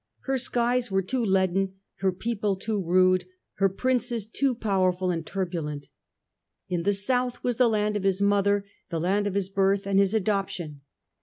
Her skies were too leaden, her people too rude, her princes too powerful and turbulent. In the South was the land of his mother, the land of his birth and his adoption.